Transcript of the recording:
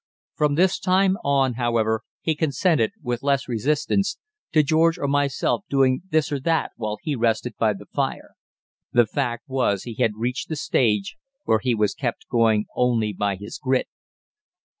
From this time on, however, he consented, with less resistance, to George or myself doing this or that while he rested by the fire. The fact was he had reached the stage where he was kept going only by his grit.